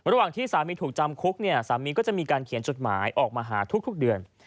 ระหว่างที่สามีถูกจำคุกเนี่ยสามีก็จะมีการเขียนจดหมายออกมาหาทุกเดือน